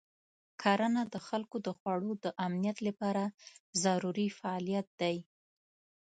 کرنه د خلکو د خوړو د امنیت لپاره ضروري فعالیت دی.